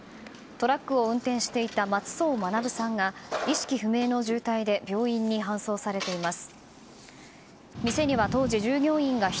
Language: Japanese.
トラックを運転していた松相学さんが意識不明の重体で病院に搬送されています。